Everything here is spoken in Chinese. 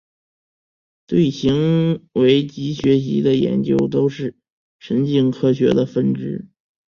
对行为及学习的研究都是神经科学的分支。